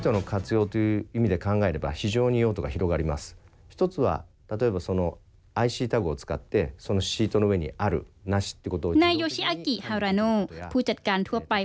นายโยชิอากิฮาราโนผู้จัดการทั่วไป